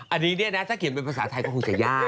อันนี้เนี่ยนะถ้าเขียนเป็นภาษาไทยก็คงจะยาก